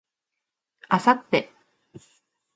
明後日